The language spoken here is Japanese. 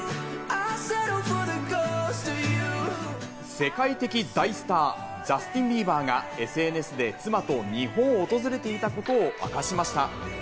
世界的大スター、ジャスティン・ビーバーがＳＮＳで妻と日本を訪れていたことを明かしました。